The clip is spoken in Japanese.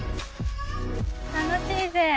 楽しいぜ。